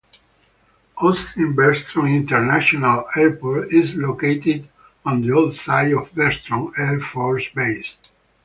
Austin-Bergstrom International Airport is located on the old site of Bergstrom Air Force Base.